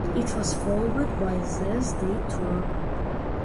It was followed by These Days Tour.